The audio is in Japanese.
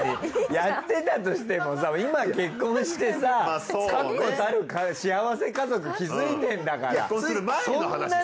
やってたとしてもさ今結婚してさ確固たる幸せ家族築いてんだから。